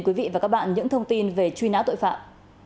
quý vị và các bạn những thông tin về truy nã tội phạm